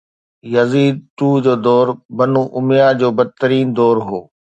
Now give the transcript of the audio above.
Yazid II جو دور Banu Umayya جو بدترين دور هو